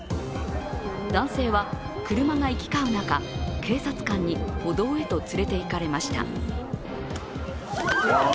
男性は車が行き交う中、警察官に歩道へと連れていかれました。